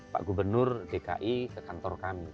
pak gubernur dki ke kantor kami